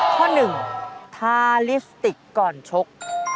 ข้อหนึ่งทาลิปสติกก่อนชก